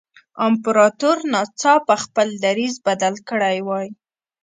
امپراتور ناڅاپه خپل دریځ بدل کړی وای.